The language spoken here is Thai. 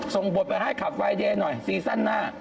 ส่งบทไปให้ขับวายเดย์หน่อยซีซั่นหน้า